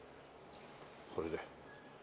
これで。